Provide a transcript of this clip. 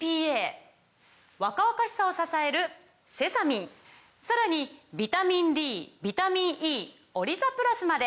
若々しさを支えるセサミンさらにビタミンＤビタミンＥオリザプラスまで！